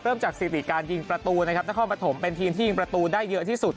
จากสิริการยิงประตูนะครับนครปฐมเป็นทีมที่ยิงประตูได้เยอะที่สุด